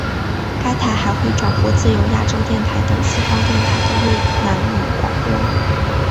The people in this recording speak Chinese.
该台还会转播自由亚洲电台等西方电台的越南语广播。